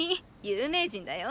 有名人だよ。